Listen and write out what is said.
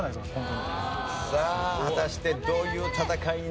さあ果たしてどういう戦いになるのか？